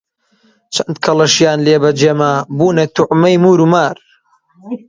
چەند کەلەشیان لێ بە جێ ما، بوونە توعمەی موور و مار